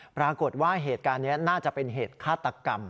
ปรากฏว่าเหตุการณ์นี้น่าจะเป็นเหตุฆาตกรรม